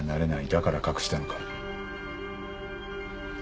だから隠したのか？